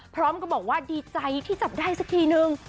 พร้อมกับบอกว่าดีใจที่จับได้สักทีนึง